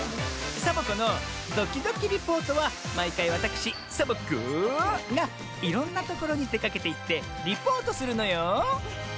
「サボ子のドキドキリポート」はまいかいわたくしサボ子がいろんなところにでかけていってリポートするのよ！